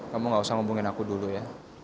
kamu gak usah ngomongin aku dulu ya